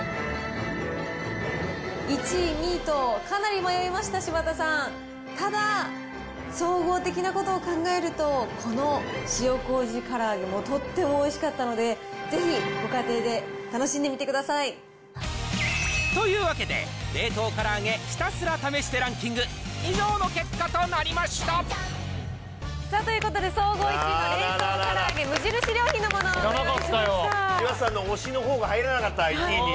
１位、２位とかなり迷いました、柴田さん、ただ、総合的なことを考えると、この塩こうじからあげもとってもおいしかったので、ぜひご家庭でというわけで、冷凍から揚げひたすら試してランキング、以上の結果となりましたさあ、ということで総合１位の冷凍から揚げ、無印良品のものをご用意しました。